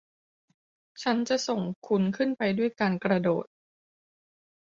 ฉันจะส่งคุณขึ้นไปด้วยการกระโดด